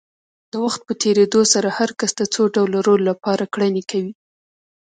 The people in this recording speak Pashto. د وخت په تېرېدو سره هر کس د څو ډوله رول لپاره کړنې کوي.